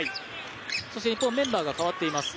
そして日本メンバーが変わっています。